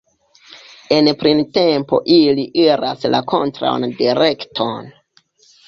En printempo ili iras la kontraŭan direkton.